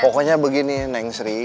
pokoknya begini neng sri